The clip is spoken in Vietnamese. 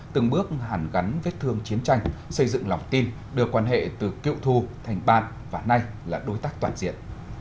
từng bước hàn gắn vết thương chiến tranh xây dựng lòng tin đưa quan hệ từ cựu thù thành bạn và nay là đối tác toàn diện